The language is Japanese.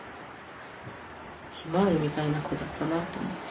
ひまわりみたいな子だったなと思って。